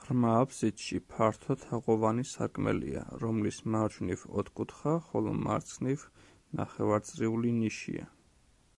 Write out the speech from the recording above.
ღრმა აფსიდში ფართო თაღოვანი სარკმელია, რომლის მარჯვნივ ოთხკუთხა, ხოლო მარცხნივ ნახევარწრიული ნიშია.